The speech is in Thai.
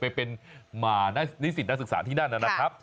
ไปเป็นนิสิตนักศึกษาที่นั่นนะครับ